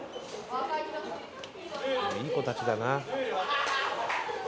いい子たちだな。